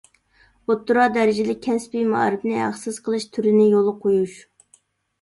ئوتتۇرا دەرىجىلىك كەسپىي مائارىپنى ھەقسىز قىلىش تۈرىنى يولغا قويۇش.